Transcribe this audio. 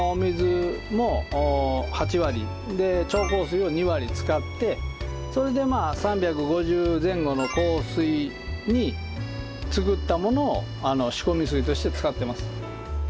それを６７の使ってそれで３５０前後の硬水に作ったものを仕込み水として使ってます。